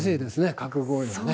核合意はね。